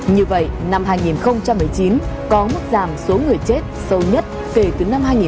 như vậy năm hai nghìn một mươi chín có mức giảm số người chết sâu nhất kể từ năm hai nghìn một mươi bốn đến nay